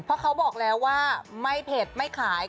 เพราะเขาบอกแล้วว่าไม่เผ็ดไม่ขาย